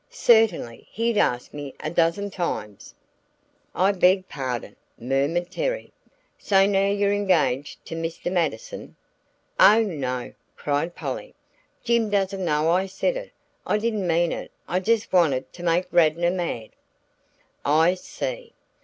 "Certainly, he'd asked me a dozen times." "I beg pardon!" murmured Terry. "So now you're engaged to Mr. Mattison?" "Oh, no!" cried Polly. "Jim doesn't know I said it I didn't mean it; I just wanted to make Radnor mad." "I see!